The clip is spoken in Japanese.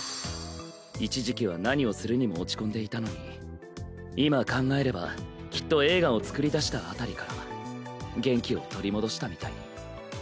一時期は何をするにも落ち込んでいたのに今考えればきっと映画を作りだしたあたりから元気を取り戻したみたいに。